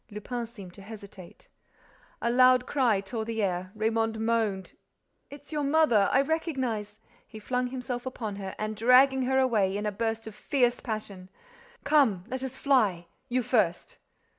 Lupin seemed to hesitate. A loud cry tore the air. Raymonde moaned: "It's your mother—I recognize—" He flung himself upon her and, dragging her away, in a burst of fierce passion: "Come—let us fly—you first."